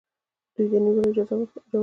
دوی د نیولو جواز ورکوي.